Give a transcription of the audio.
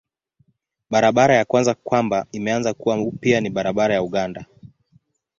Barabara ya kwanza kwamba imeanza kuwa upya ni barabara ya Uganda.